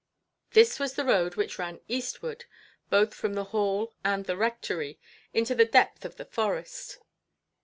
This was the road which ran eastward, both from the Hall and the Rectory, into the depth of the forest.